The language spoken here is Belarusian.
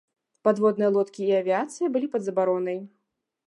Падводныя лодкі і авіяцыя былі пад забаронай.